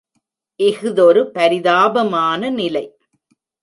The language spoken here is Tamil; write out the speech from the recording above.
இஃதொரு பரிதாபமான நிலை.